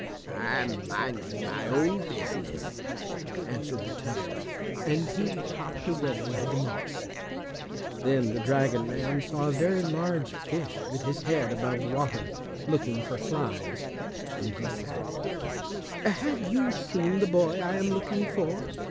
"I am minding my own business," answered the Toad, and he hopped away into the moss. Then the dragon man saw a very large fish with his head above water, looking for flies, and he said, "Have you seen the boy I am looking for?"